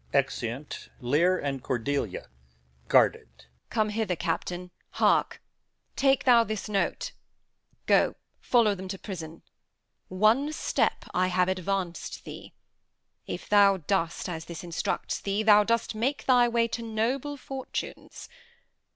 Exeunt [Lear and Cordelia, guarded]. Edm. Come hither, Captain; hark. Take thou this note [gives a paper]. Go follow them to prison. One step I have advanc'd thee. If thou dost As this instructs thee, thou dost make thy way To noble fortunes.